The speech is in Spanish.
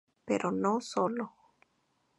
Pero No Solo.